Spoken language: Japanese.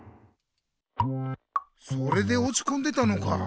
それでおちこんでたのか。